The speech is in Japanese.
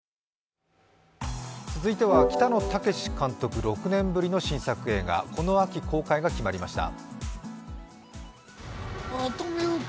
続いては北野武監督６年ぶりの新作映画、この秋公開が決まりました。